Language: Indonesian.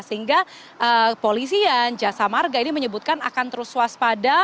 sehingga polisian jasa marga ini menyebutkan akan terus waspada